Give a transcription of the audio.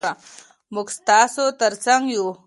موږ ستاسو تر څنګ یو.